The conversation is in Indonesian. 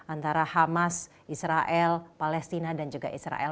antara hamas israel palestina dan juga israel